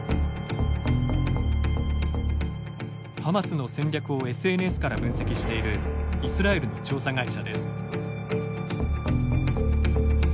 ハマスの戦略をＳＮＳから分析しているイスラエルの調査会社です。